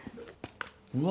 うわ。